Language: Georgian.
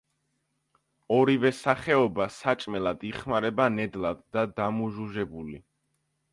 ორივე სახეობა საჭმელად იხმარება ნედლად და დამუჟუჟებული.